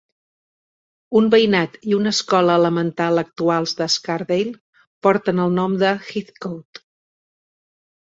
Un veïnat i una escola elemental actuals de Scarsdale porten el nom de Heathcote.